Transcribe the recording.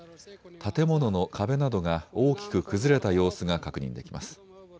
建物の壁などが大きく崩れた様子が確認できます。